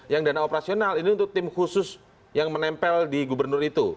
yang dana operasional ini untuk tim khusus yang menempel di gubernur itu